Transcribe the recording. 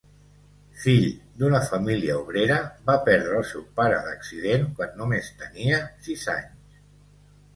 Fill d’una família obrera, va perdre el seu pare d’accident quan només tenia sis anys.